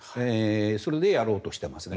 それでやろうとしていますね。